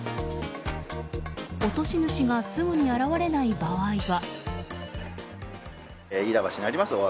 落とし主がすぐに現れない場合は。